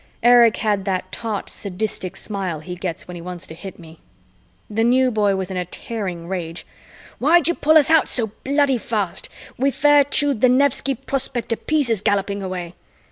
Erich had that taut sadistic smile he gets when he wants to hit me. The New Boy was in a tearing rage. "Why'd you pull us out so bloody fast? We fair chewed the Nevsky Prospekt to pieces galloping away."